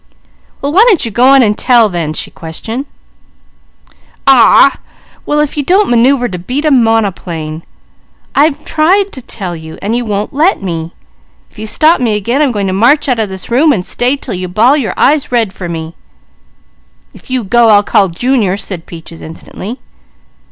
"Well why don't you go on an' tell, then?" "Aw w ah! Well if you don't maneuver to beat a monoplane! I've tried to tell you, and you won't let me. If you stop me again, I'm going to march out of this room and stay 'til you bawl your eyes red for me." "If you go, I'll call Junior!" said Peaches instantly.